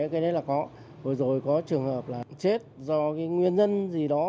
hồi rồi có trường hợp là chết do nguyên nhân gì đó